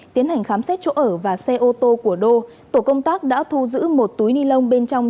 tiến hành khám xét chỗ ở và xe ô tô của đô tổ công tác đã thu giữ một túi ni lông bên trong